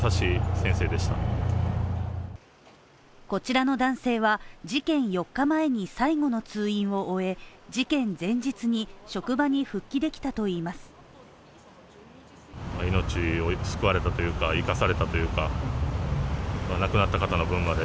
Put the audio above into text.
こちらの男性は事件４日前に最後の通院を終え、事件前日に職場に復帰できたといいます。